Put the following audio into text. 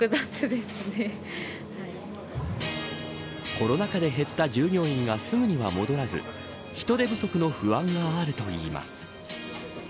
コロナ禍で減った従業員がすぐには戻らず人手不足の不安があるといいます。